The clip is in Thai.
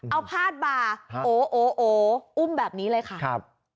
เอาพาดบ่าโอ้โอ้โอ้อุ้มแบบนี้เลยค่ะ